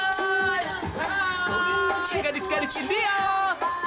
kau mucet kucing